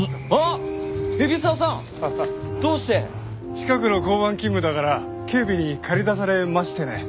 近くの交番勤務だから警備に駆り出されましてね。